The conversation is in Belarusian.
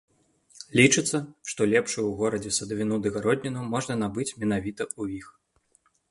Лічыцца, што лепшую ў горадзе садавіну ды гародніну можна набыць менавіта ў іх.